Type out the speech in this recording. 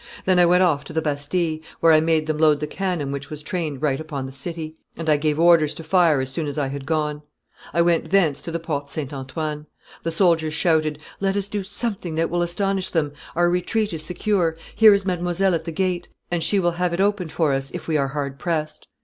Then I went off to the Bastille, where I made them load the cannon which was trained right upon the city; and I gave orders to fire as soon as I had gone. I went thence to the Porte St. Antoine. The soldiers shouted, 'Let us do something that will astonish them; our retreat is secure; here is Mdlle. at the gate, and she will have it opened for us, if we are hard pressed.